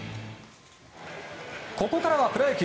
ここからはプロ野球。